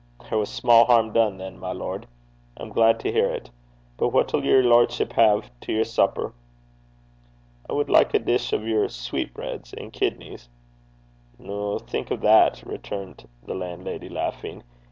'There was sma' hairm dune than, my lord. I'm glaid to hear 't. But what'll yer lordship hae to yer supper?' 'I would like a dish o' your chits and nears (sweetbreads and kidneys).' 'Noo, think o' that!' returned the landlady, laughing.